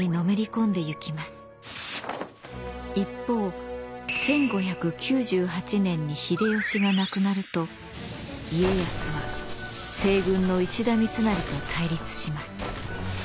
一方１５９８年に秀吉が亡くなると家康は西軍の石田三成と対立します。